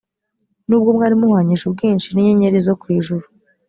n’ubwo mwari muhwanyije ubwinshi n’inyenyeri zo ku ijuru,